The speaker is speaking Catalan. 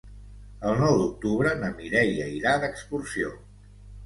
El nou d'octubre na Mireia irà d'excursió.